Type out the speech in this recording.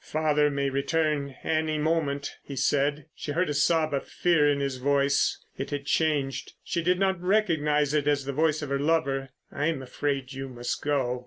"Father may return any moment," he said. She heard a sob of fear in his voice, it had changed. She did not recognise it as the voice of her lover. "I'm afraid you must go.